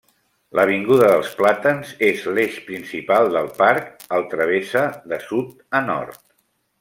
L'avinguda dels plàtans és l'eix principal del parc: el travessa de sud a nord.